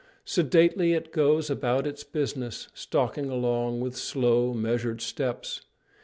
Sedately it goes about its business, stalking along with slow, measured steps.